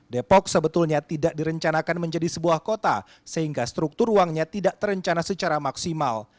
depok sebetulnya tidak direncanakan menjadi sebuah kota sehingga struktur ruangnya tidak terencana secara maksimal